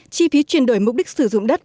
chi phí chuyển đổi mục đích sử dụng đất